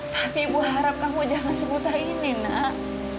tapi ibu harap kamu jangan sebuta ini nak